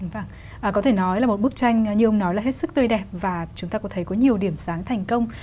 vâng có thể nói là một bức tranh như ông nói là hết sức tươi đẹp và chúng ta có thấy có nhiều điểm sáng thành công